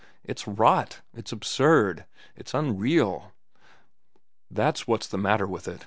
It's rot; it's absurd; it's unreal. That's what's the matter with it.